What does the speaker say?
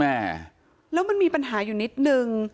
แม่แล้วมันมีปัญหาอยู่นิดนึง